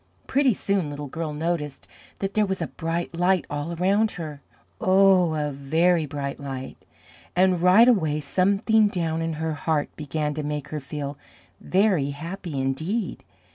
Pretty soon Little Girl noticed that there was a bright light all around her oh, a very bright light and right away something down in her heart began to make her feel very happy indeed.